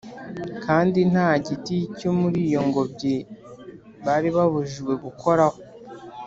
kandi nta giti cyo muri iyo ngobyi bari babujijwe gukoraho